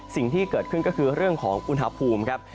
สิ่งที่เกิดขึ้นก็คือเรื่องของอุณหภูมิครับ